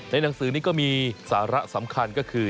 หนังสือนี้ก็มีสาระสำคัญก็คือ